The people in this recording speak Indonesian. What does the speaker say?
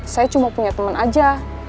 saya cuma punya teman aja